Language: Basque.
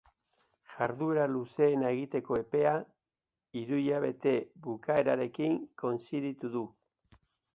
Jarduera luzeena egiteko epea hiruhilabete bukaerarekin konziditu du.